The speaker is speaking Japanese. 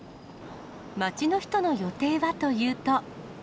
街の人の予定はというと。